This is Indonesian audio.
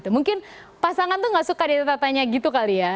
mungkin pasangan tuh nggak suka ditetapannya gitu kali ya